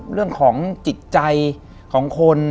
เรื่องของจิตใจของคน